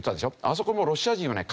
あそこもロシア人はね